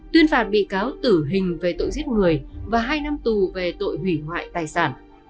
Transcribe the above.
tuyên phạt bị cáo tử hình về tội giết người và hai năm tù về tội hủy hoại tài sản